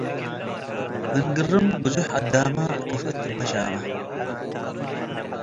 ምን ግርም ብዞሕ አዳመ፣ ክፍእት እበ ሻመ።